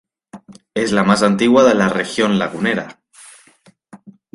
Es la más antigua de la Región Lagunera.